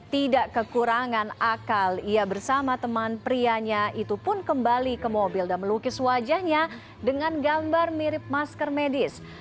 tidak kekurangan akal ia bersama teman prianya itu pun kembali ke mobil dan melukis wajahnya dengan gambar mirip masker medis